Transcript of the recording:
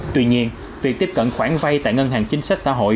tuy nhiên việc tiếp cận khoản vay tại ngân hàng chính sách xã hội